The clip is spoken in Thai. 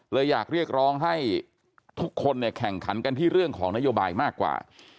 เลยอยากเรียกร้องให้ทุกคนเนี่ยแข่งขันกันที่เรื่องของนโยบายมากกว่า